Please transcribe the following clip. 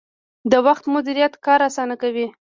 د وخت مدیریت کار اسانه کوي